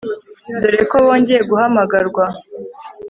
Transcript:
dore ko bongeye guhamagarwa